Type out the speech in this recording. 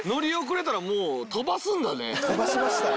飛ばしましたね。